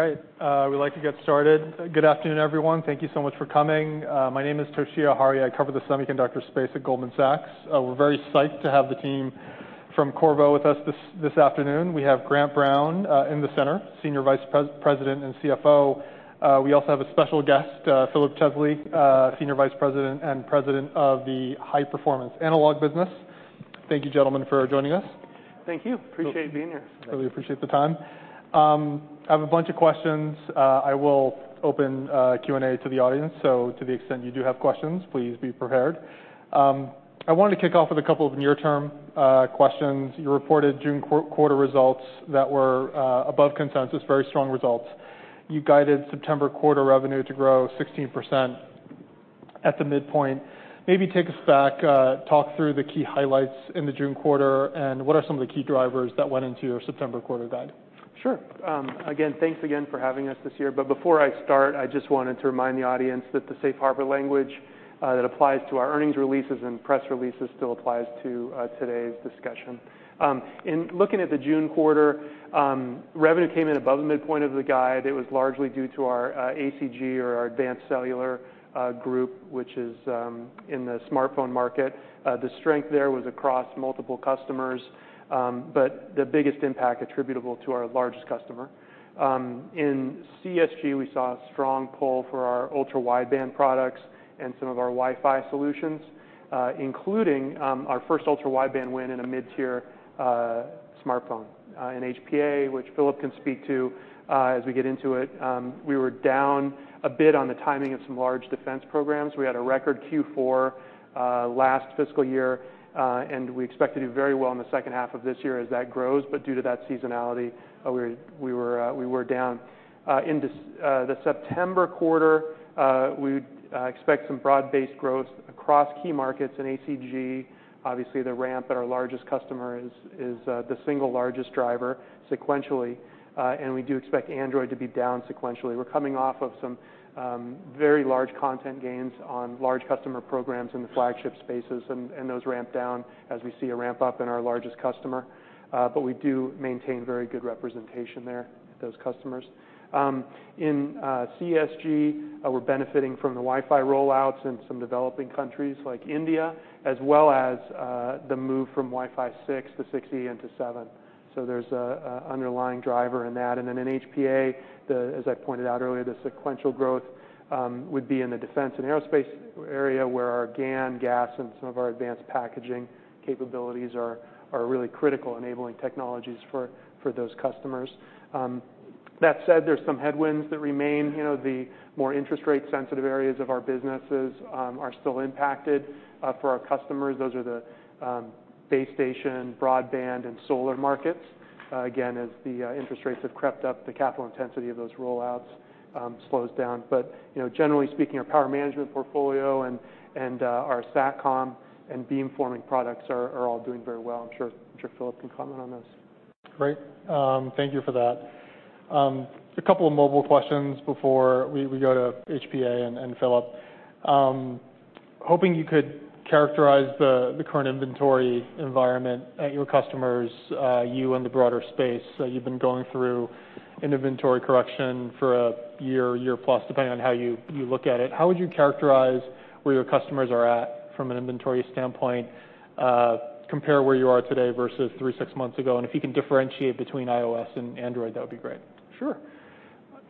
All right, we'd like to get started. Good afternoon, everyone. Thank you so much for coming. My name is Toshiya Hari. I cover the semiconductor space at Goldman Sachs. We're very psyched to have the team from Qorvo with us this afternoon. We have Grant Brown in the center, Senior Vice President and CFO. We also have a special guest, Philip Chesley, Senior Vice President and President of the High Performance Analog business. Thank you, gentlemen, for joining us. Thank you. Appreciate being here. Really appreciate the time. I have a bunch of questions. I will open Q&A to the audience, so to the extent you do have questions, please be prepared. I wanted to kick off with a couple of near-term questions. You reported June quarter results that were above consensus, very strong results. You guided September quarter revenue to grow 16% at the midpoint. Maybe take us back, talk through the key highlights in the June quarter, and what are some of the key drivers that went into your September quarter guide? Sure. Again, thanks again for having us this year, but before I start, I just wanted to remind the audience that the safe harbor language that applies to our earnings releases and press releases still applies to today's discussion. In looking at the June quarter, revenue came in above the midpoint of the guide. It was largely due to our ACG or our Advanced Cellular Group, which is in the smartphone market. The strength there was across multiple customers, but the biggest impact attributable to our largest customer. In CSG, we saw a strong pull for our ultra-wideband products and some of our Wi-Fi solutions, including our first ultra-wideband win in a mid-tier smartphone. In HPA, which Philip can speak to, as we get into it, we were down a bit on the timing of some large defense programs. We had a record Q4 last fiscal year, and we expect to do very well in the second half of this year as that grows, but due to that seasonality, we were down. In the September quarter, we expect some broad-based growth across key markets. In ACG, obviously, the ramp at our largest customer is the single largest driver sequentially, and we do expect Android to be down sequentially. We're coming off of some very large content gains on large customer programs in the flagship spaces, and those ramp down as we see a ramp up in our largest customer. But we do maintain very good representation there, those customers. In CSG, we're benefiting from the Wi-Fi rollouts in some developing countries like India, as well as the move from Wi-Fi 6 to 6E into 7. So there's an underlying driver in that. And then in HPA, as I pointed out earlier, the sequential growth would be in the defense and aerospace area, where our GaN, GaAs, and some of our advanced packaging capabilities are really critical, enabling technologies for those customers. That said, there's some headwinds that remain. You know, the more interest rate sensitive areas of our businesses are still impacted for our customers. Those are the base station, broadband, and solar markets. Again, as the interest rates have crept up, the capital intensity of those rollouts slows down. But, you know, generally speaking, our power management portfolio and our SatCom and beamforming products are all doing very well. I'm sure Philip can comment on this. Great. Thank you for that. A couple of mobile questions before we go to HPA and Philip. Hoping you could characterize the current inventory environment at your customers and the broader space. So you've been going through an inventory correction for a year, year plus, depending on how you look at it. How would you characterize where your customers are at from an inventory standpoint, compare where you are today versus three, six months ago, and if you can differentiate between iOS and Android, that would be great. Sure.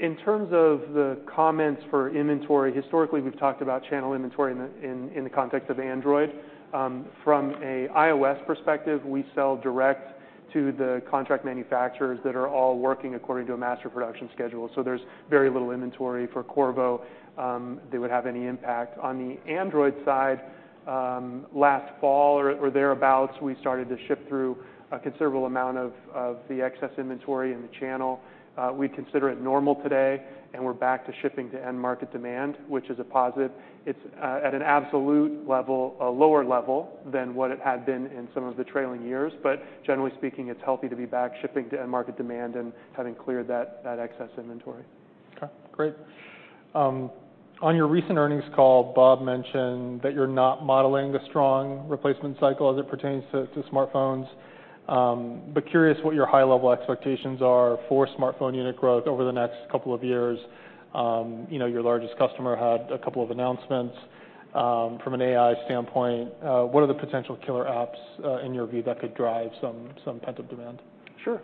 In terms of the comments for inventory, historically, we've talked about channel inventory in the context of Android. From an iOS perspective, we sell direct to the contract manufacturers that are all working according to a master production schedule, so there's very little inventory for Qorvo that would have any impact. On the Android side, last fall or thereabouts, we started to ship through a considerable amount of the excess inventory in the channel. We consider it normal today, and we're back to shipping to end market demand, which is a positive. It's at an absolute level, a lower level than what it had been in some of the trailing years, but generally speaking, it's healthy to be back shipping to end market demand and having cleared that excess inventory. Okay, great. On your recent earnings call, Bob mentioned that you're not modeling the strong replacement cycle as it pertains to smartphones. But curious what your high-level expectations are for smartphone unit growth over the next couple of years. You know, your largest customer had a couple of announcements. From an AI standpoint, what are the potential killer apps, in your view, that could drive some pent-up demand? Sure.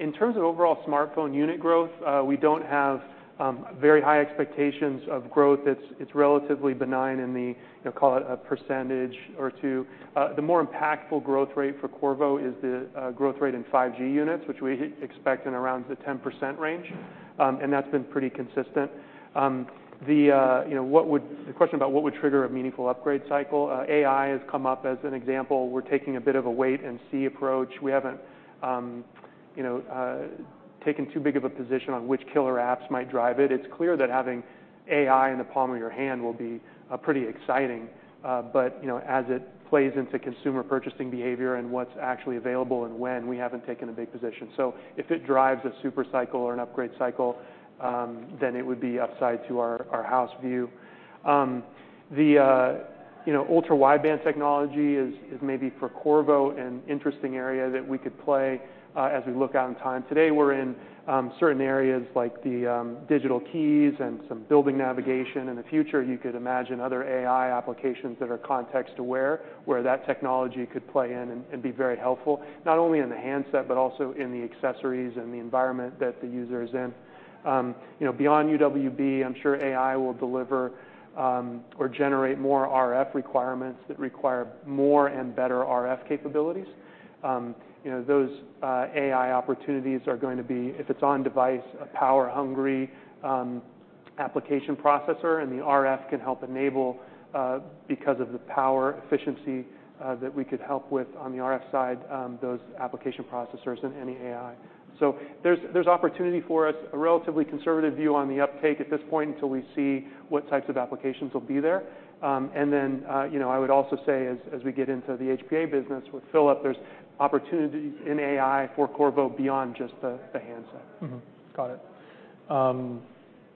In terms of overall smartphone unit growth, we don't have very high expectations of growth. It's, it's relatively benign in the, you know, call it a percentage or two. The more impactful growth rate for Qorvo is the growth rate in 5G units, which we expect in around the 10% range, and that's been pretty consistent. The, you know, the question about what would trigger a meaningful upgrade cycle, AI has come up as an example. We're taking a bit of a wait and see approach. We haven't, you know, taking too big of a position on which killer apps might drive it. It's clear that having AI in the palm of your hand will be pretty exciting, but you know, as it plays into consumer purchasing behavior and what's actually available and when, we haven't taken a big position. So if it drives a super cycle or an upgrade cycle, then it would be upside to our house view. The, you know, ultra-wideband technology is maybe for Qorvo, an interesting area that we could play, as we look out in time. Today, we're in certain areas like the digital keys and some building navigation. In the future, you could imagine other AI applications that are context-aware, where that technology could play in and be very helpful, not only in the handset, but also in the accessories and the environment that the user is in. You know, beyond UWB, I'm sure AI will deliver or generate more RF requirements that require more and better RF capabilities. You know, those AI opportunities are going to be, if it's on device, a power-hungry application processor, and the RF can help enable, because of the power efficiency, that we could help with on the RF side, those application processors in any AI. So there's opportunity for us, a relatively conservative view on the uptake at this point until we see what types of applications will be there, and then, you know, I would also say as we get into the HPA business with Philip, there's opportunity in AI for Qorvo beyond just the handset. Mm-hmm. Got it.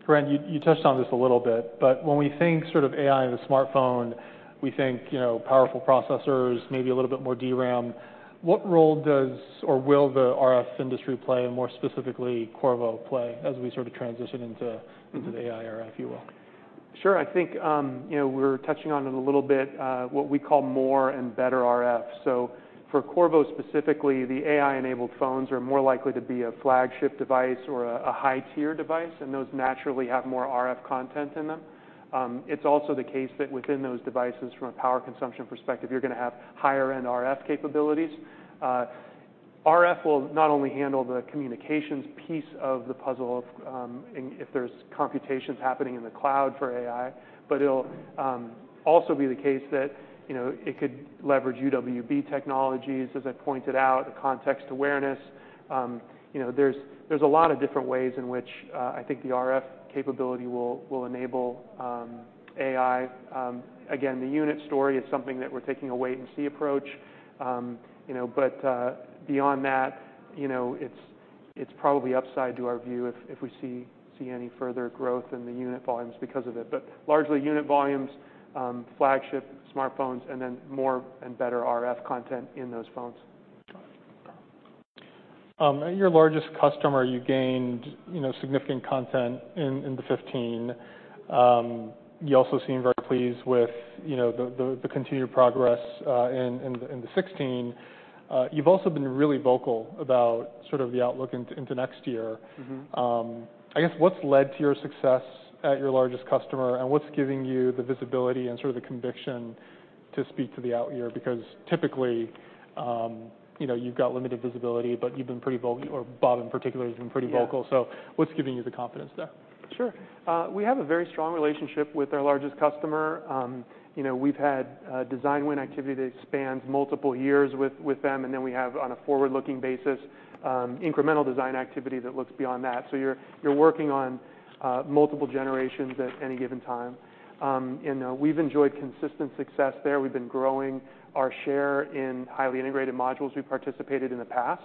Grant, you touched on this a little bit, but when we think sort of AI in a smartphone, we think, you know, powerful processors, maybe a little bit more DRAM. What role does or will the RF industry play, and more specifically, Qorvo play, as we sort of transition into the AI era, if you will? Sure. I think, you know, we're touching on it a little bit, what we call more and better RF. So for Qorvo, specifically, the AI-enabled phones are more likely to be a flagship device or a high-tier device, and those naturally have more RF content in them. It's also the case that within those devices, from a power consumption perspective, you're gonna have higher-end RF capabilities. RF will not only handle the communications piece of the puzzle, and if there's computations happening in the cloud for AI, but it'll also be the case that, you know, it could leverage UWB technologies, as I pointed out, context awareness. You know, there's a lot of different ways in which, I think the RF capability will enable, AI. Again, the unit story is something that we're taking a wait-and-see approach. You know, but beyond that, you know, it's probably upside to our view if we see any further growth in the unit volumes because of it. But largely, unit volumes, flagship smartphones, and then more and better RF content in those phones. Got it. At your largest customer, you gained, you know, significant content in the fifteen. You also seem very pleased with, you know, the continued progress in the sixteen. You've also been really vocal about sort of the outlook into next year. Mm-hmm. I guess, what's led to your success at your largest customer, and what's giving you the visibility and sort of the conviction to speak to the out year? Because typically, you know, you've got limited visibility, but you've been pretty vocal, or Bob, in particular, has been pretty vocal. Yeah. So what's giving you the confidence there? Sure. We have a very strong relationship with our largest customer. You know, we've had design win activity that spans multiple years with, with them, and then we have, on a forward-looking basis, incremental design activity that looks beyond that. So you're, you're working on multiple generations at any given time, and we've enjoyed consistent success there. We've been growing our share in highly integrated modules we participated in the past,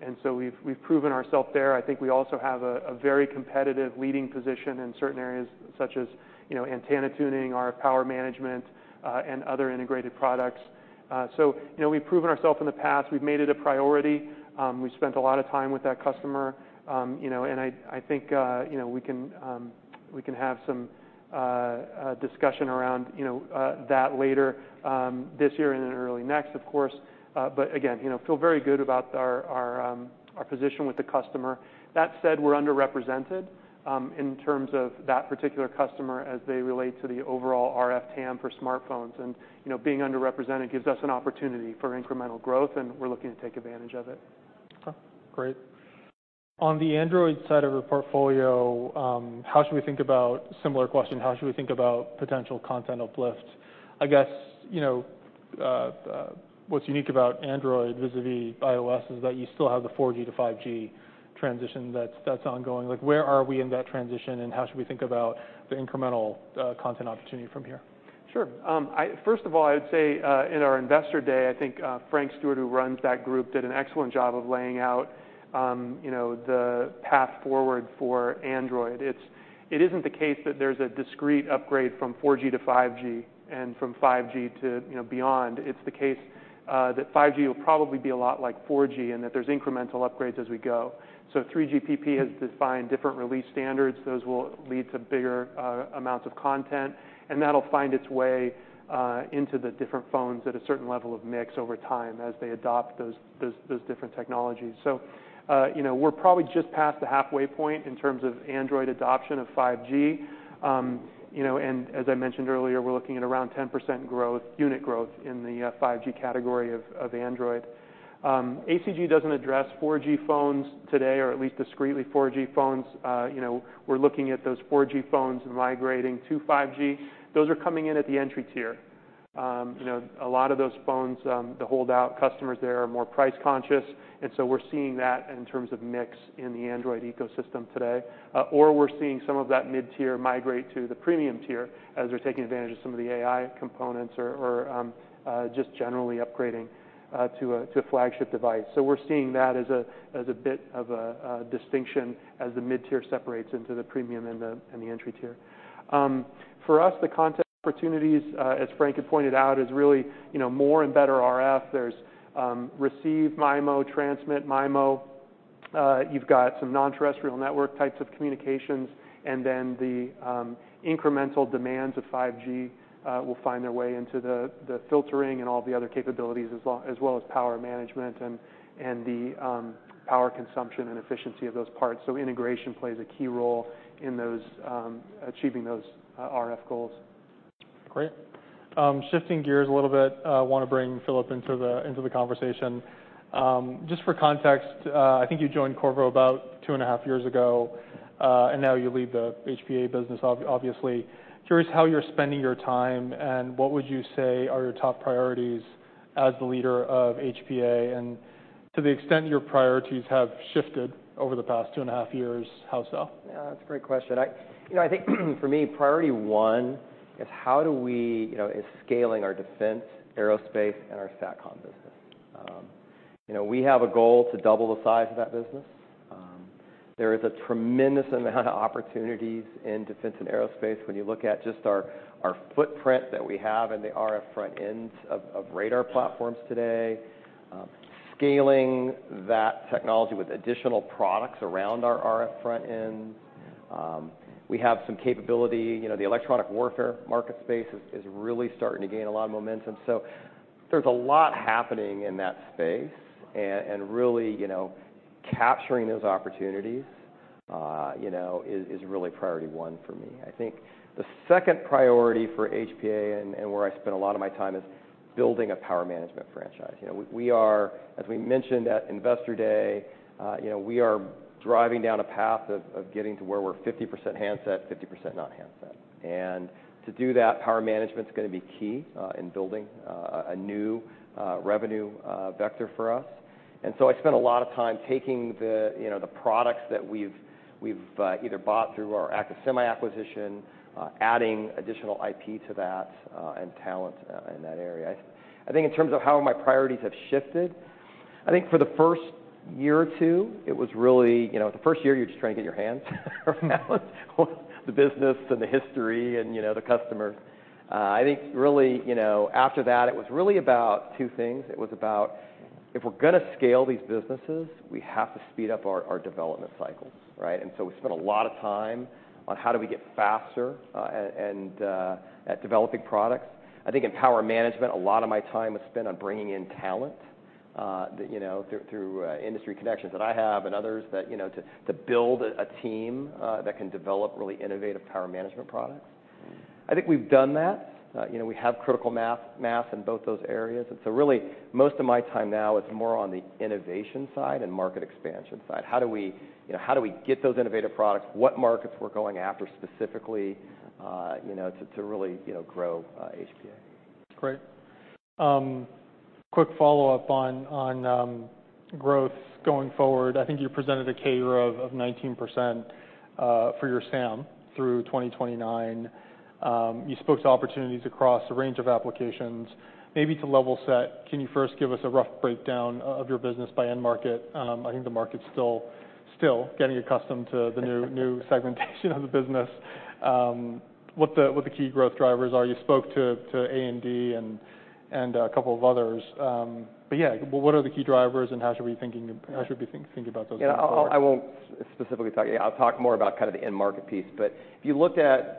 and so we've, we've proven ourselves there. I think we also have a very competitive leading position in certain areas, such as, you know, antenna tuning, RF power management, and other integrated products. So, you know, we've proven ourselves in the past. We've made it a priority. We've spent a lot of time with that customer. You know, and I think you know we can have some discussion around you know that later this year and then early next, of course, but again, you know, feel very good about our position with the customer. That said, we're underrepresented in terms of that particular customer as they relate to the overall RF TAM for smartphones, and you know, being underrepresented gives us an opportunity for incremental growth, and we're looking to take advantage of it. Okay, great. On the Android side of your portfolio, how should we think about... Similar question, how should we think about potential content uplift? I guess, you know, what's unique about Android vis-a-vis iOS is that you still have the 4G to 5G transition that's ongoing. Like, where are we in that transition, and how should we think about the incremental content opportunity from here? Sure. First of all, I'd say, in our Investor Day, I think, Frank Stewart, who runs that group, did an excellent job of laying out, you know, the path forward for Android. It isn't the case that there's a discrete upgrade from 4G to 5G and from 5G to, you know, beyond. It's the case that 5G will probably be a lot like 4G, and that there's incremental upgrades as we go. So 3GPP has defined different release standards. Those will lead to bigger amounts of content, and that'll find its way into the different phones at a certain level of mix over time as they adopt those different technologies. So, you know, we're probably just past the halfway point in terms of Android adoption of 5G. You know, and as I mentioned earlier, we're looking at around 10% growth, unit growth, in the 5G category of Android. ACG doesn't address 4G phones today, or at least discrete 4G phones. You know, we're looking at those 4G phones and migrating to 5G. Those are coming in at the entry tier. You know, a lot of those phones, the holdout customers there are more price-conscious, and so we're seeing that in terms of mix in the Android ecosystem today. Or we're seeing some of that mid-tier migrate to the premium tier, as they're taking advantage of some of the AI components or just generally upgrading to a flagship device. We're seeing that as a bit of a distinction as the mid-tier separates into the premium and the entry tier. For us, the content opportunities, as Frank had pointed out, is really, you know, more and better RF. There's receive MIMO, transmit MIMO. You've got some non-terrestrial network types of communications, and then the incremental demands of 5G will find their way into the filtering and all the other capabilities as well as power management and the power consumption and efficiency of those parts. Integration plays a key role in those achieving those RF goals. Great. Shifting gears a little bit, I want to bring Philip into the conversation. Just for context, I think you joined Qorvo about two and a half years ago, and now you lead the HPA business, obviously. Curious how you're spending your time, and what would you say are your top priorities as the leader of HPA? And to the extent your priorities have shifted over the past two and a half years, how so? Yeah, that's a great question. I, you know, I think, for me, priority one is how do we, you know, is scaling our defense, aerospace, and our SatCom business. You know, we have a goal to double the size of that business. There is a tremendous amount of opportunities in defense and aerospace when you look at just our footprint that we have in the RF front end of radar platforms today. Scaling that technology with additional products around our RF front end. We have some capability. You know, the electronic warfare market space is really starting to gain a lot of momentum. So there's a lot happening in that space, and really, you know, capturing those opportunities, you know, is really priority one for me. I think the second priority for HPA and where I spend a lot of my time is building a power management franchise. You know, we are, as we mentioned at Investor Day, you know, we are driving down a path of getting to where we're 50% handset, 50% not handset. And to do that, power management's gonna be key in building a new revenue vector for us. And so I spend a lot of my time taking the, you know, the products that we've either bought through our Active-Semi acquisition, adding additional IP to that and talent in that area. I think in terms of how my priorities have shifted, I think for the first year or two, it was really... You know, the first year, you're just trying to get your hands around the business and the history and, you know, the customer. I think really, you know, after that, it was really about two things. It was about, if we're gonna scale these businesses, we have to speed up our development cycles, right? And so we spent a lot of time on how do we get faster at developing products. I think in power management, a lot of my time was spent on bringing in talent that, you know, through industry connections that I have and others that, you know, to build a team that can develop really innovative power management products. I think we've done that. You know, we have critical mass in both those areas. Really, most of my time now is more on the innovation side and market expansion side. How do we, you know, how do we get those innovative products? What markets we're going after specifically, you know, to really, you know, grow HPA. Great. Quick follow-up on growth going forward. I think you presented a CAGR of 19% for your SAM through 2029. You spoke to opportunities across a range of applications. Maybe to level set, can you first give us a rough breakdown of your business by end market? I think the market's still getting accustomed to the new segmentation of the business. What the key growth drivers are. You spoke to A&D and a couple of others. But yeah, what are the key drivers, and how should we think about those going forward? Yeah, I won't specifically talk. I'll talk more about kind of the end market piece. But if you looked at,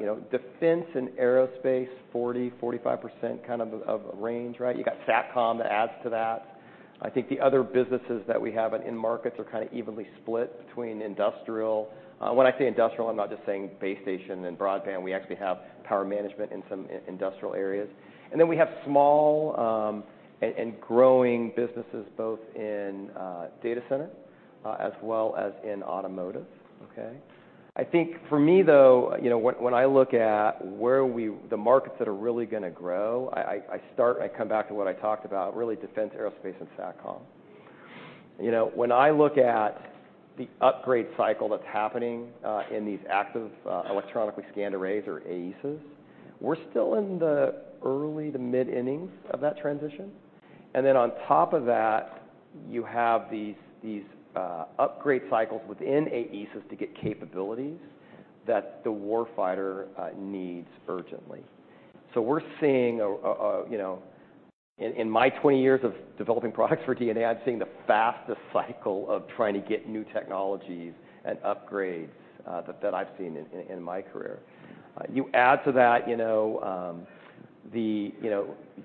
you know, defense and aerospace, 40-45% kind of a range, right? You got SatCom that adds to that. I think the other businesses that we have in end markets are kind of evenly split between industrial. When I say industrial, I'm not just saying base station and broadband. We actually have power management in some industrial areas. And then we have small and growing businesses, both in data center as well as in automotive. Okay? I think for me, though, you know, when I look at the markets that are really gonna grow, I start. I come back to what I talked about, really, defense, aerospace, and SatCom. You know, when I look at the upgrade cycle that's happening in these Active Electronically Scanned Arrays or AESA, we're still in the early to mid-innings of that transition. And then on top of that, you have these upgrade cycles within AESA to get capabilities that the war fighter needs urgently. So we're seeing, you know... In my twenty years of developing products for D&A, I'm seeing the fastest cycle of trying to get new technologies and upgrades that I've seen in my career. You add to that, you know, the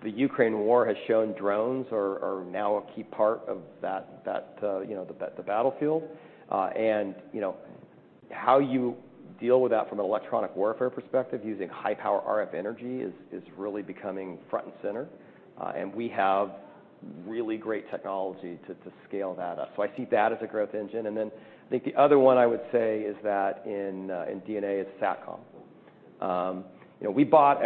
Ukraine war has shown drones are now a key part of that, the battlefield. And, you know, how you deal with that from an electronic warfare perspective, using high-power RF energy, is really becoming front and center. We have really great technology to scale that up. So I see that as a growth engine. And then I think the other one I would say is that in HPA, it's Satcom. You know, we bought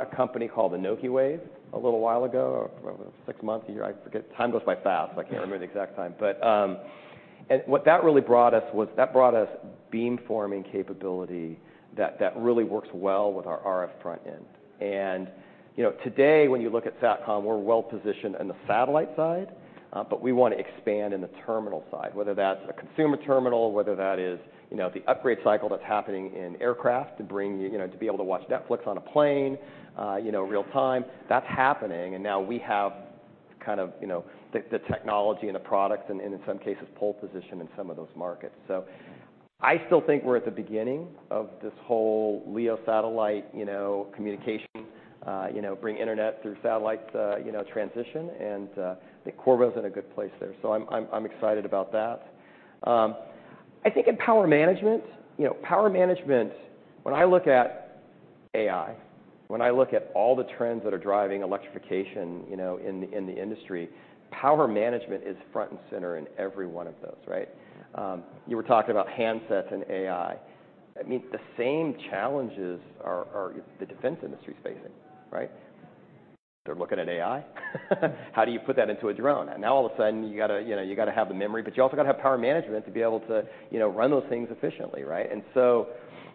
a company called Anokiwave a little while ago, probably six months, a year. I forget. Time goes by fast, I can't remember the exact time. But, and what that really brought us was beamforming capability that really works well with our RF front end. You know, today, when you look at Satcom, we're well positioned in the satellite side, but we want to expand in the terminal side, whether that's a consumer terminal, whether that is, you know, the upgrade cycle that's happening in aircraft to bring, you know, to be able to watch Netflix on a plane, real time. That's happening, and now we have kind of, you know, the technology and the product, and in some cases, pole position in some of those markets. So I still think we're at the beginning of this whole LEO satellite, you know, communication, bring internet through satellites, transition, and I think Qorvo's in a good place there. So I'm excited about that. I think in power management, you know, power management, when I look at AI, when I look at all the trends that are driving electrification, you know, in the industry, power management is front and center in every one of those, right? You were talking about handsets and AI. I mean, the same challenges are the defense industry is facing, right? They're looking at AI. How do you put that into a drone? And now all of a sudden, you gotta, you know, you gotta have the memory, but you also gotta have power management to be able to, you know, run those things efficiently, right? And so,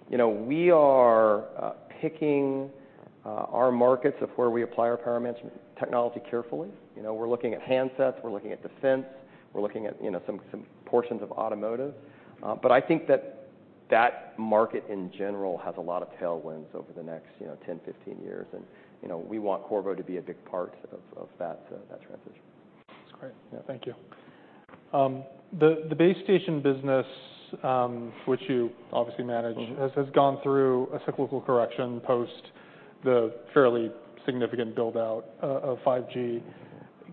you know, we are picking our markets of where we apply our power management technology carefully. You know, we're looking at handsets, we're looking at defense, we're looking at, you know, some portions of automotive, but I think that market, in general, has a lot of tailwinds over the next, you know, 10-15 years, and you know, we want Qorvo to be a big part of that transition. That's great. Yeah, thank you. The base station business, which you obviously manage- Mm-hmm. - has gone through a cyclical correction post, the fairly significant build-out, of 5G.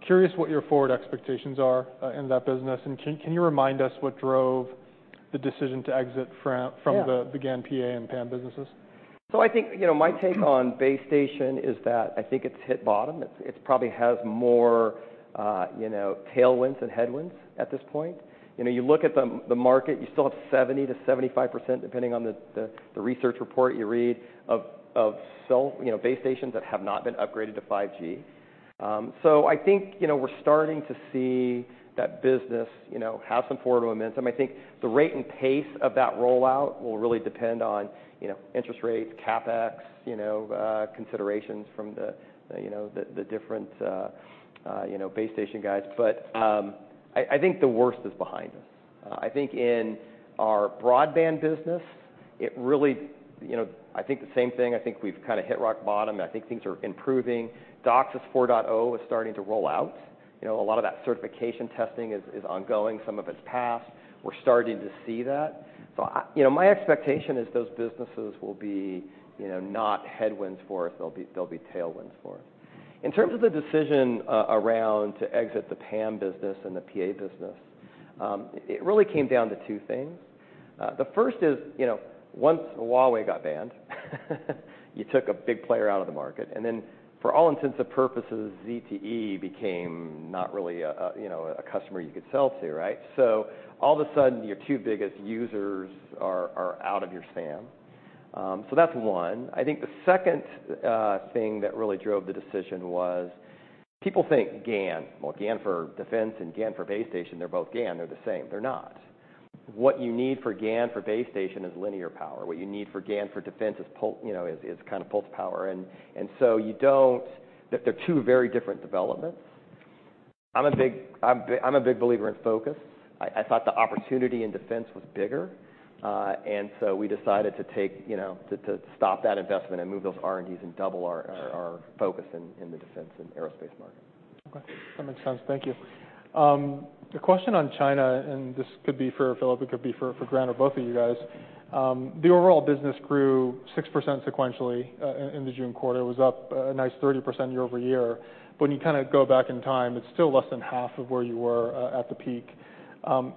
Curious what your forward expectations are, in that business, and can you remind us what drove the decision to exit from- Yeah... from the GaN PA and PAM businesses? So I think, you know, my take on base station is that I think it's hit bottom. It probably has more, you know, tailwinds than headwinds at this point. You know, you look at the market, you still have 70%-75%, depending on the research report you read, of cell, you know, base stations that have not been upgraded to 5G. So I think, you know, we're starting to see that business, you know, have some forward momentum. I think the rate and pace of that rollout will really depend on, you know, interest rates, CapEx, you know, base station guys. But I think the worst is behind us. I think in our broadband business, it really, you know, I think the same thing. I think we've kind of hit rock bottom, and I think things are improving. DOCSIS 4.0 is starting to roll out. You know, a lot of that certification testing is ongoing. Some of it's passed. We're starting to see that. So you know, my expectation is those businesses will be, you know, not headwinds for us. They'll be tailwinds for us. In terms of the decision around to exit the PAM business and the PA business, it really came down to two things. The first is, you know, once Huawei got banned, you took a big player out of the market, and then for all intents and purposes, ZTE became not really a customer you could sell to, right? So all of a sudden, your two biggest users are out of your SAM. So that's one. I think the second thing that really drove the decision was people think GaN. Well, GaN for defense and GaN for base station, they're both GaN, they're the same. They're not. What you need for GaN for base station is linear power. What you need for GaN for defense is, you know, kind of pulse power. They're two very different developments. I'm a big believer in focus. I thought the opportunity in defense was bigger, and so we decided to take, you know, to stop that investment and move those R&Ds and double our focus in the defense and aerospace market. Okay, that makes sense. Thank you. The question on China, and this could be for Philip, it could be for, for Grant or both of you guys. The overall business grew 6% sequentially, in the June quarter. It was up a nice 30% year over year. But when you kind of go back in time, it's still less than half of where you were, at the peak.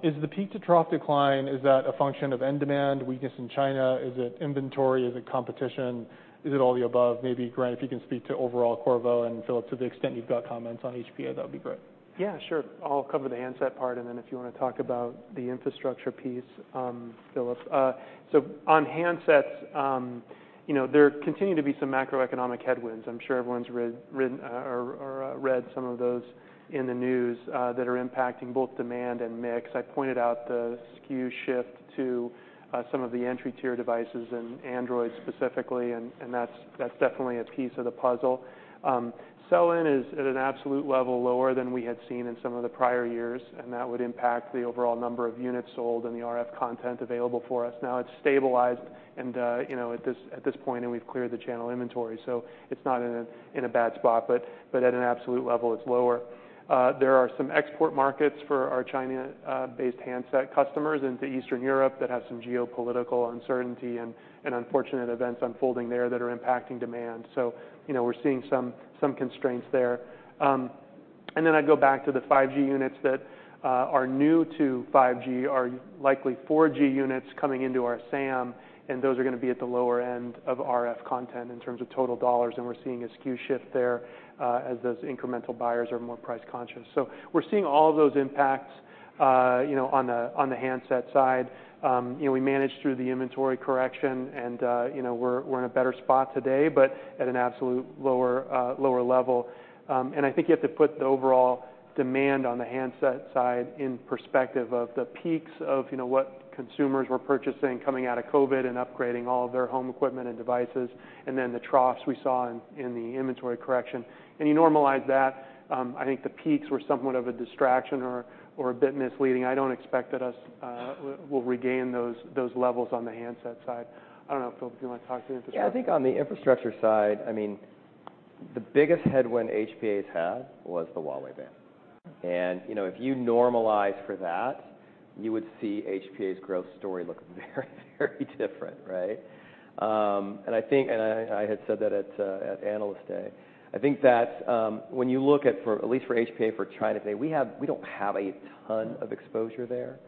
Is the peak-to-trough decline, is that a function of end demand, weakness in China? Is it inventory? Is it competition? Is it all the above? Maybe, Grant, if you can speak to overall Qorvo, and Philip, to the extent you've got comments on HPA, that would be great. Yeah, sure. I'll cover the handset part, and then if you want to talk about the infrastructure piece, Philip. So on handsets, you know, there continue to be some macroeconomic headwinds. I'm sure everyone's read, written, or read some of those in the news that are impacting both demand and mix. I pointed out the SKU shift to some of the entry-tier devices in Android specifically, and that's definitely a piece of the puzzle. Sell-in is at an absolute level, lower than we had seen in some of the prior years, and that would impact the overall number of units sold and the RF content available for us. Now, it's stabilized and, you know, at this point, and we've cleared the channel inventory, so it's not in a bad spot, but at an absolute level, it's lower. There are some export markets for our China-based handset customers into Eastern Europe that have some geopolitical uncertainty and unfortunate events unfolding there that are impacting demand, so you know, we're seeing some constraints there, and then I'd go back to the 5G units that are new to 5G, are likely 4G units coming into our SAM, and those are gonna be at the lower end of RF content in terms of total dollars, and we're seeing a SKU shift there, as those incremental buyers are more price conscious, so we're seeing all of those impacts. You know, on the handset side, you know, we managed through the inventory correction, and, you know, we're in a better spot today, but at an absolute lower level. And I think you have to put the overall demand on the handset side in perspective of the peaks of, you know, what consumers were purchasing coming out of COVID and upgrading all of their home equipment and devices, and then the troughs we saw in the inventory correction. You normalize that. I think the peaks were somewhat of a distraction or a bit misleading. I don't expect that we'll regain those levels on the handset side. I don't know if, Phil, do you want to talk to the infrastructure? Yeah, I think on the infrastructure side, I mean, the biggest headwind HPA has had was the Huawei ban. And, you know, if you normalize for that, you would see HPA's growth story look very, very different, right? And I had said that at Analyst Day. I think that when you look at least for HPA, for China today, we don't have a ton of exposure there.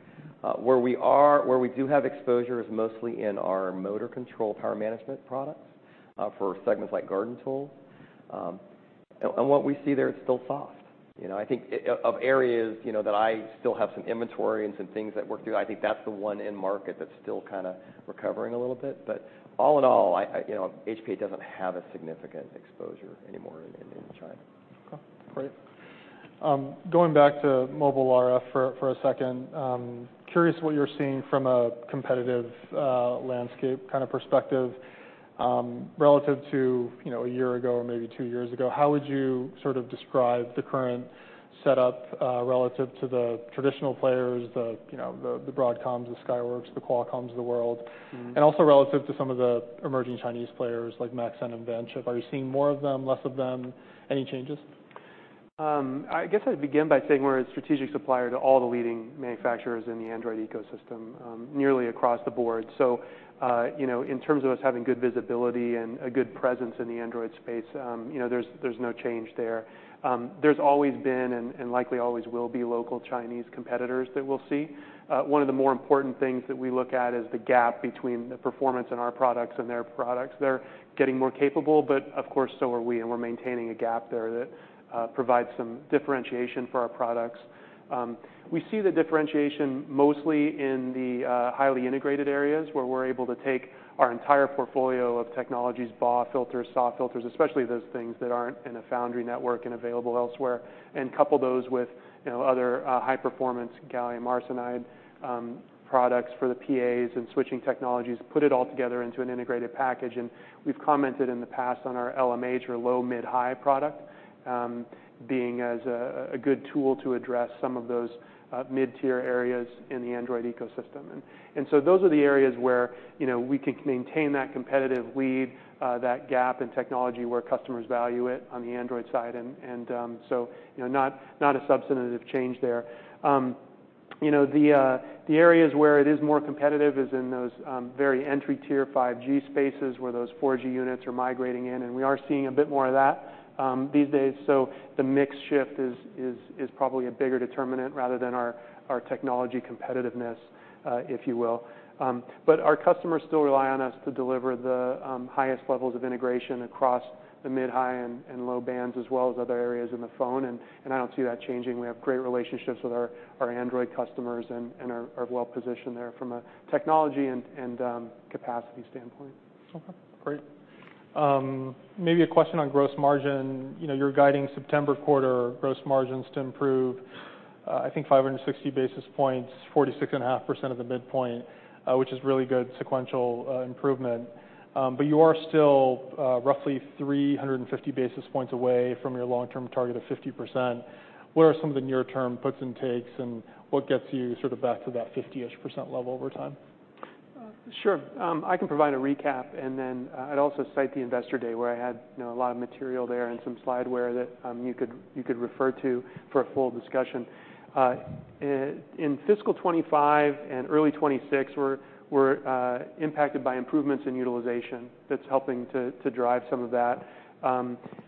Where we do have exposure is mostly in our motor control power management products for segments like garden tool. And what we see there is still soft. You know, I think one of the areas that still have some inventory and some things to work through, I think that's the one end market that's still kind of recovering a little bit. But all in all, I, you know, HPA doesn't have a significant exposure anymore in China. Okay, great. Going back to mobile RF for a second, curious what you're seeing from a competitive landscape kind of perspective, relative to, you know, a year ago or maybe two years ago, how would you sort of describe the current setup, relative to the traditional players, the, you know, the Broadcoms, the Skyworks, the Qualcomms of the world - Mm-hmm - and also relative to some of the emerging Chinese players like Maxscend and Vanchip. Are you seeing more of them, less of them? Any changes? I guess I'd begin by saying we're a strategic supplier to all the leading manufacturers in the Android ecosystem, nearly across the board. So, you know, in terms of us having good visibility and a good presence in the Android space, you know, there's no change there. There's always been and likely always will be local Chinese competitors that we'll see. One of the more important things that we look at is the gap between the performance in our products and their products. They're getting more capable, but of course, so are we, and we're maintaining a gap there that provides some differentiation for our products. We see the differentiation mostly in the highly integrated areas, where we're able to take our entire portfolio of technologies, BAW filters, SAW filters, especially those things that aren't in a foundry network and available elsewhere, and couple those with, you know, other high-performance gallium arsenide products for the PAs and switching technologies, put it all together into an integrated package. We've commented in the past on our LMH or low, mid, high product being as a good tool to address some of those mid-tier areas in the Android ecosystem. So, you know, not a substantive change there. You know, the areas where it is more competitive is in those very entry tier 5G spaces, where those 4G units are migrating in, and we are seeing a bit more of that these days. So the mix shift is probably a bigger determinant rather than our technology competitiveness, if you will. But our customers still rely on us to deliver the highest levels of integration across the mid, high, and low bands, as well as other areas in the phone, and I don't see that changing. We have great relationships with our Android customers and are well positioned there from a technology and capacity standpoint. Okay, great. Maybe a question on gross margin. You know, you're guiding September quarter gross margins to improve, I think 560 basis points, 46.5% of the midpoint, which is really good sequential improvement. But you are still roughly 350 basis points away from your long-term target of 50%. Where are some of the near-term puts and takes, and what gets you sort of back to that fifty-ish percent level over time? Sure. I can provide a recap, and then I'd also cite the Investor Day, where I had, you know, a lot of material there and some slideware that you could refer to for a full discussion. In fiscal 2025 and early 2026, we're impacted by improvements in utilization that's helping to drive some of that.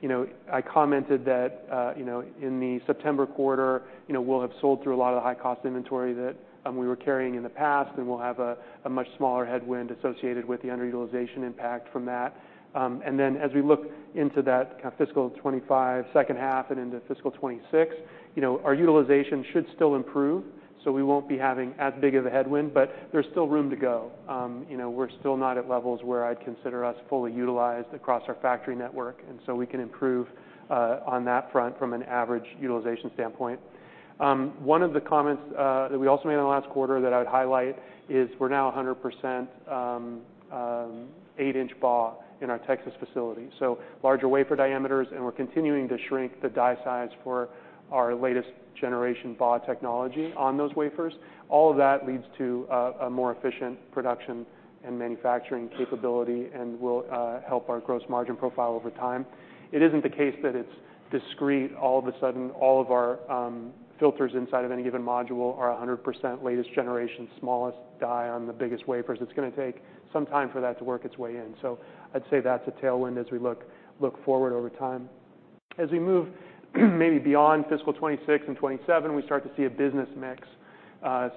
You know, I commented that, you know, in the September quarter, you know, we'll have sold through a lot of the high-cost inventory that, we were carrying in the past, and we'll have a, a much smaller headwind associated with the underutilization impact from that. And then, as we look into that kind of fiscal 2025 second half and into fiscal 2026, you know, our utilization should still improve, so we won't be having as big of a headwind, but there's still room to go. You know, we're still not at levels where I'd consider us fully utilized across our factory network, and so we can improve, on that front from an average utilization standpoint. One of the comments that we also made in the last quarter that I'd highlight is we're now 100% eight-inch BAW in our Texas facility, so larger wafer diameters, and we're continuing to shrink the die size for our latest generation BAW technology on those wafers. All of that leads to a more efficient production and manufacturing capability and will help our gross margin profile over time. It isn't the case that it's discrete. All of a sudden, all of our filters inside of any given module are 100% latest generation, smallest die on the biggest wafers. It's gonna take some time for that to work its way in. So I'd say that's a tailwind as we look forward over time. As we move maybe beyond fiscal 2026 and 2027, we start to see a business mix.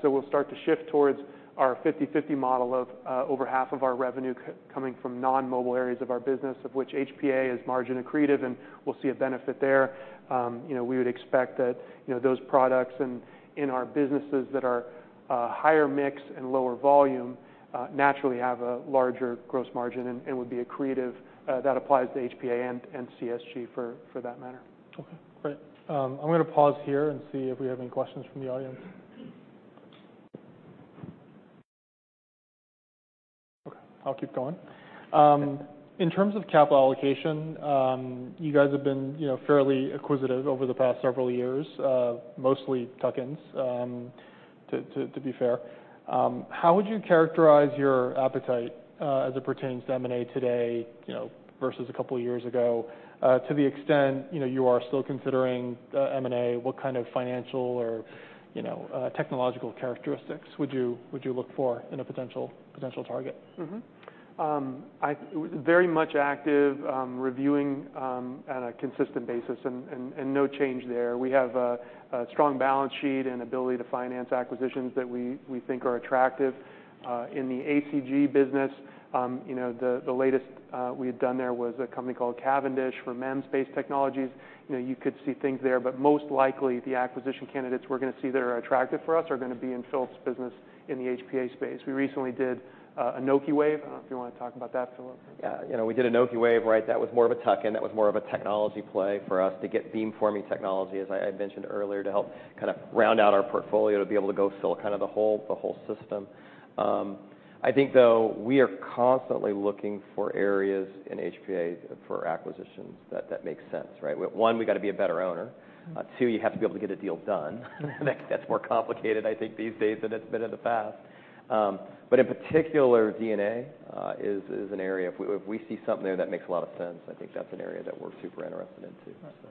So we'll start to shift towards our fifty/fifty model of, over half of our revenue coming from non-mobile areas of our business, of which HPA is margin accretive, and we'll see a benefit there. You know, we would expect that, you know, those products and in our businesses that are, higher mix and lower volume, naturally have a larger gross margin and, and would be accretive, that applies to HPA and, and CSG for, for that matter. Okay, great. I'm gonna pause here and see if we have any questions from the audience. Okay, I'll keep going. In terms of capital allocation, you guys have been, you know, fairly acquisitive over the past several years, mostly tuck-ins, to be fair. How would you characterize your appetite, as it pertains to M&A today, you know, versus a couple of years ago? To the extent, you know, you are still considering M&A, what kind of financial or, you know, technological characteristics would you look for in a potential target? I'm very much active reviewing on a consistent basis, and no change there. We have a strong balance sheet and ability to finance acquisitions that we think are attractive. In the ACG business, you know, the latest we had done there was a company called Cavendish for MEMS-based technologies. You know, you could see things there, but most likely, the acquisition candidates we're gonna see that are attractive for us are gonna be in Philip's business in the HPA space. We recently did Anokiwave. I don't know if you wanna talk about that, Philip? Yeah. You know, we did an Anokiwave, right? That was more of a tuck-in. That was more of a technology play for us to get beamforming technology, as I had mentioned earlier, to help kind of round out our portfolio, to be able to go fill kind of the whole system. I think, though, we are constantly looking for areas in HPA for acquisitions that makes sense, right? One, we got to be a better owner. Two, you have to be able to get a deal done. And that's more complicated, I think, these days than it's been in the past. But in particular, GaN is an area. If we see something there that makes a lot of sense, I think that's an area that we're super interested in, too. Got it.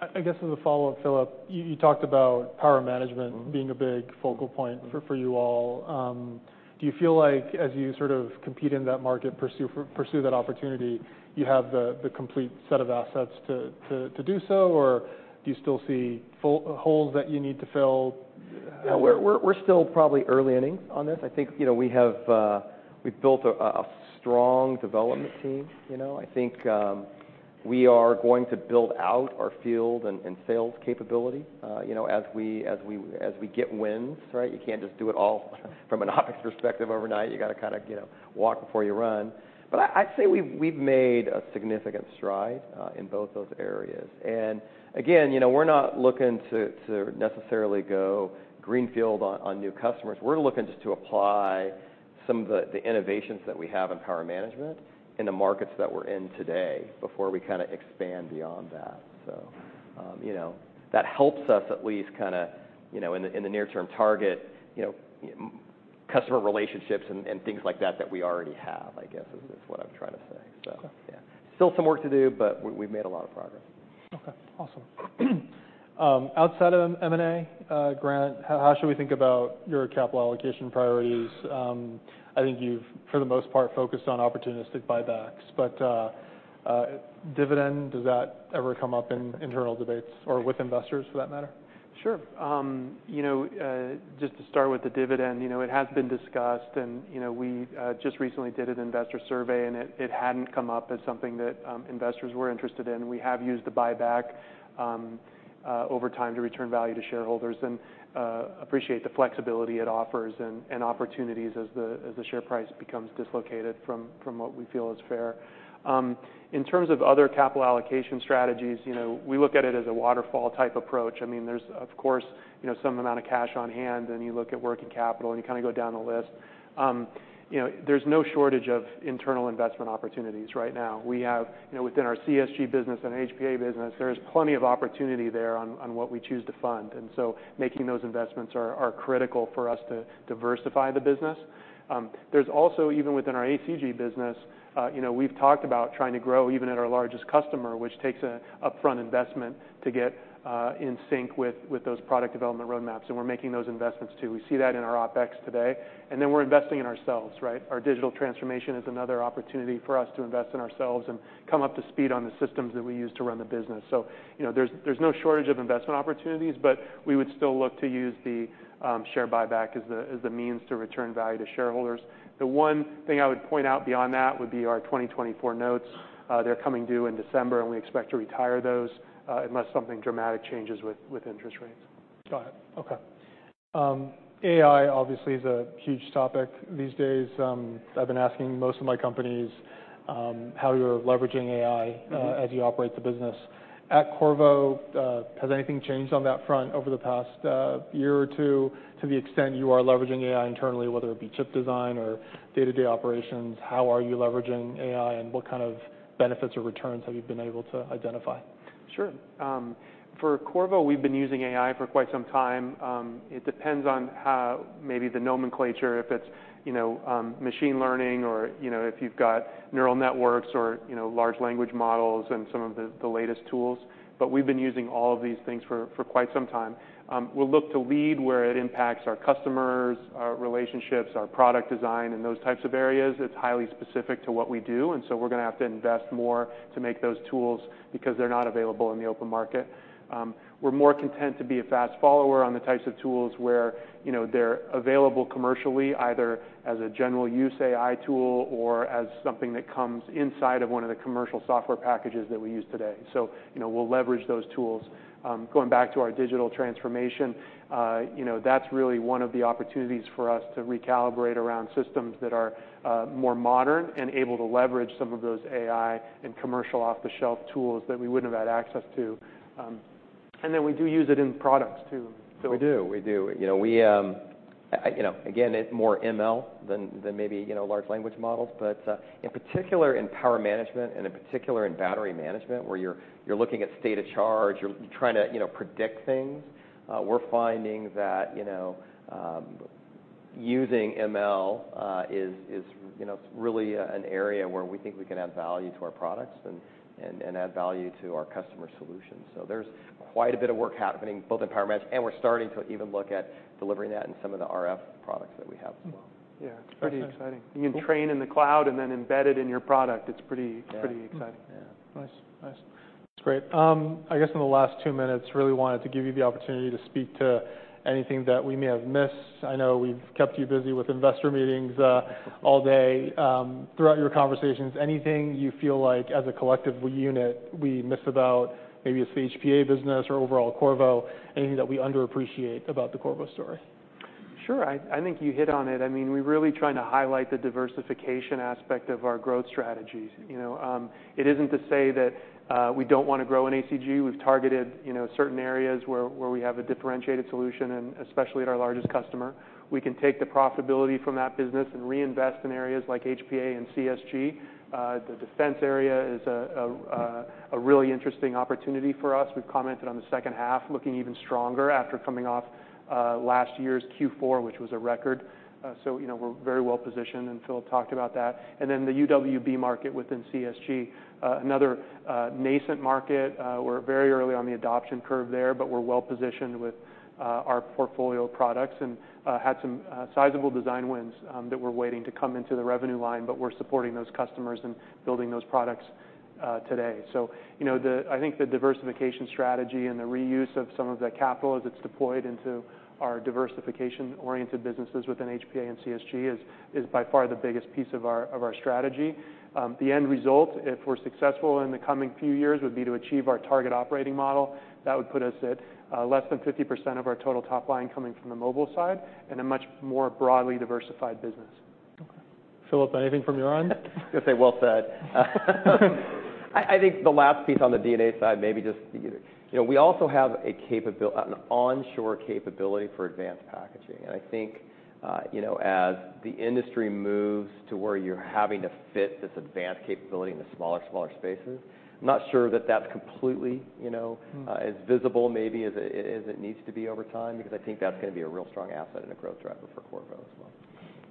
Right. I guess as a follow-up, Philip, you talked about power management- Mm-hmm. Being a big focal point for you all. Do you feel like as you sort of compete in that market, pursue that opportunity, you have the complete set of assets to do so, or do you still see full of holes that you need to fill? We're still probably early innings on this. I think, you know, we have, we've built a strong development team, you know? I think, we are going to build out our field and sales capability, you know, as we get wins, right? You can't just do it all from an optics perspective overnight. You gotta kind of, you know, walk before you run. But I'd say we've made a significant stride in both those areas. And again, you know, we're not looking to necessarily go greenfield on new customers. We're looking just to apply some of the innovations that we have in power management in the markets that we're in today before we kind of expand beyond that. You know, that helps us at least kind of, you know, in the near-term target, you know, customer relationships and things like that that we already have, I guess, is what I'm trying to say. Okay. So yeah. Still some work to do, but we've made a lot of progress. Okay, awesome. Outside of M&A, Grant, how should we think about your capital allocation priorities? I think you've, for the most part, focused on opportunistic buybacks, but dividend, does that ever come up in internal debates or with investors, for that matter? Sure. You know, just to start with the dividend, you know, it has been discussed and, you know, we just recently did an investor survey, and it hadn't come up as something that investors were interested in. We have used the buyback over time to return value to shareholders and appreciate the flexibility it offers and opportunities as the share price becomes dislocated from what we feel is fair. In terms of other capital allocation strategies, you know, we look at it as a waterfall-type approach. I mean, there's of course, you know, some amount of cash on hand, and you look at working capital, and you kind of go down the list. You know, there's no shortage of internal investment opportunities right now. We have, you know, within our CSG business and HPA business, there is plenty of opportunity there on what we choose to fund, and so making those investments are critical for us to diversify the business. There's also, even within our ACG business, you know, we've talked about trying to grow even at our largest customer, which takes a upfront investment to get in sync with those product development roadmaps, and we're making those investments, too. We see that in our OpEx today, and then we're investing in ourselves, right? Our digital transformation is another opportunity for us to invest in ourselves and come up to speed on the systems that we use to run the business. So, you know, there's no shortage of investment opportunities, but we would still look to use the share buyback as the means to return value to shareholders. The one thing I would point out beyond that would be our 2024 notes. They're coming due in December, and we expect to retire those unless something dramatic changes with interest rates. Got it. Okay. AI obviously is a huge topic these days. I've been asking most of my companies, how you're leveraging AI- Mm-hmm. as you operate the business. At Qorvo, has anything changed on that front over the past year or two, to the extent you are leveraging AI internally, whether it be chip design or day-to-day operations? How are you leveraging AI, and what kind of benefits or returns have you been able to identify?... Sure. For Qorvo, we've been using AI for quite some time. It depends on how maybe the nomenclature, if it's, you know, machine learning or, you know, if you've got neural networks or, you know, large language models and some of the latest tools. But we've been using all of these things for quite some time. We'll look to lead where it impacts our customers, our relationships, our product design, and those types of areas. It's highly specific to what we do, and so we're gonna have to invest more to make those tools because they're not available in the open market. We're more content to be a fast follower on the types of tools where, you know, they're available commercially, either as a general use AI tool or as something that comes inside of one of the commercial software packages that we use today. So, you know, we'll leverage those tools. Going back to our digital transformation, you know, that's really one of the opportunities for us to recalibrate around systems that are more modern and able to leverage some of those AI and commercial off-the-shelf tools that we wouldn't have had access to, and then we do use it in products, too, so- We do, we do. You know, we, you know, again, it's more ML than maybe, you know, large language models, but in particular, in power management, and in particular in battery management, where you're looking at state of charge, you're trying to, you know, predict things, we're finding that, you know, using ML is, you know, really an area where we think we can add value to our products and add value to our customer solutions. So there's quite a bit of work happening, both in power management, and we're starting to even look at delivering that in some of the RF products that we have as well. Yeah, it's pretty exciting. You can train in the cloud and then embed it in your product. It's pretty- Yeah. -pretty exciting. Yeah. Nice. Nice. That's great. I guess in the last two minutes, really wanted to give you the opportunity to speak to anything that we may have missed. I know we've kept you busy with investor meetings, all day. Throughout your conversations, anything you feel like, as a collective unit, we missed about maybe it's the HPA business or overall Qorvo, anything that we underappreciate about the Qorvo story? Sure. I think you hit on it. I mean, we're really trying to highlight the diversification aspect of our growth strategies. You know, it isn't to say that we don't want to grow in ACG. We've targeted, you know, certain areas where we have a differentiated solution, and especially at our largest customer. We can take the profitability from that business and reinvest in areas like HPA and CSG. The defense area is a really interesting opportunity for us. We've commented on the second half, looking even stronger after coming off last year's Q4, which was a record. So, you know, we're very well positioned, and Philip talked about that, and then the UWB market within CSG, another nascent market. We're very early on the adoption curve there, but we're well positioned with our portfolio of products and had some sizable design wins that we're waiting to come into the revenue line, but we're supporting those customers and building those products today. So you know, I think the diversification strategy and the reuse of some of that capital as it's deployed into our diversification-oriented businesses within HPA and CSG is by far the biggest piece of our strategy. The end result, if we're successful in the coming few years, would be to achieve our target operating model. That would put us at less than 50% of our total top line coming from the mobile side and a much more broadly diversified business. Okay. Philip, anything from your end? I'd say, well said. I think the last piece on the DNA side, maybe just, you know, we also have an onshore capability for advanced packaging, and I think, you know, as the industry moves to where you're having to fit this advanced capability into smaller and smaller spaces, I'm not sure that that's completely, you know, as visible maybe as it, as it needs to be over time, because I think that's gonna be a real strong asset and a growth driver for Qorvo as well.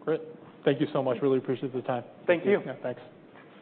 Great. Thank you so much. Really appreciate the time. Thank you. Yeah, thanks.